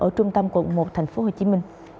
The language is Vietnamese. ở trung tâm quận một tp hcm